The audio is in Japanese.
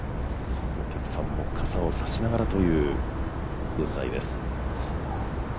お客さんも傘を差しながらという現在です。